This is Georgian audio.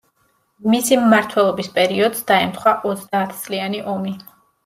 მისი მმართველობის პერიოდს დაემთხვა ოცდაათწლიანი ომი.